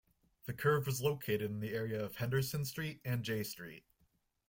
The curve was located in the area of Henderson Street and Jay Street.